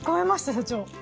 社長。